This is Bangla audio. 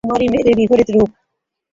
কুমারী মেরির বিপরীত রূপ!